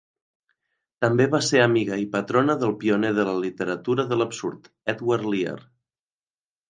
També va ser amiga i patrona del pioner de la literatura de l'absurd, Edward Lear.